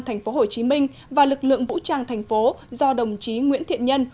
tp hcm và lực lượng vũ trang thành phố do đồng chí nguyễn thiện nhân